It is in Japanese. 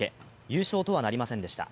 優勝とはなりませんでした。